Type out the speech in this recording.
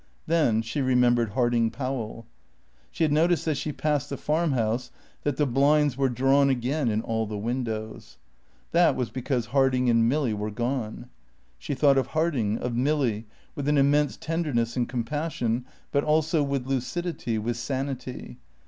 Then she remembered Harding Powell. She had noticed as she passed the Farm house that the blinds were drawn again in all the windows. That was because Harding and Milly were gone. She thought of Harding, of Milly, with an immense tenderness and compassion, but also with lucidity, with sanity.